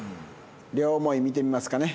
両思い見てみますかね。